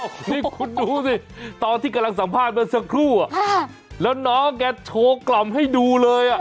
คุณคุณดูสิตอนที่กำลังสังพาดกันสักครู่อะแล้วน้องแกโชว์กล่อมให้ดูเลยอะ